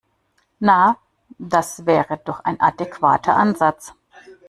Na, das wäre doch ein adäquater Ansatz.